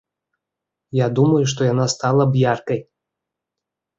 Я думаю, што яна стала б яркай.